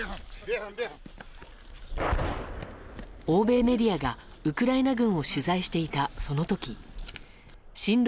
欧米メディアがウクライナ軍を取材していたその時親